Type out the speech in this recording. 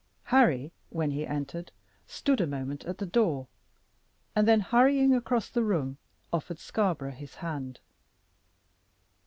Harry, when he entered, stood a moment at the door, and then, hurrying across the room, offered Scarborough his hand.